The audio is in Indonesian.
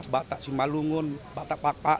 batak simalungun batak pak pak